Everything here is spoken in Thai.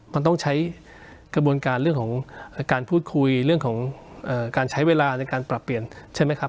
มันต้องใช้กระบวนการเรื่องของการพูดคุยเรื่องของการใช้เวลาในการปรับเปลี่ยนใช่ไหมครับ